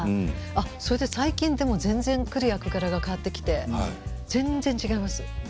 それで最近でも来る役柄が変わってきて全然違います。